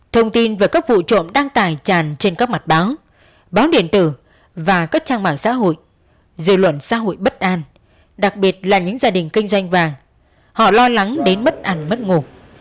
thông tin về các vụ trộm đang tài tràn trên các mặt báo báo điện tử và các trang mạng xã hội dư luận xã hội bất an đặc biệt là những gia đình kinh doanh vàng họ lo lắng đến mất ăn mất ngủ